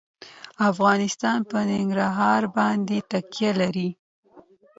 افغانستان په ننګرهار باندې تکیه لري.